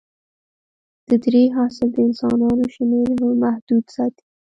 د درې حاصل د انسانانو شمېر محدود ساتي.